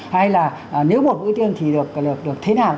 hay là nếu một mối tiêu thì được thế nào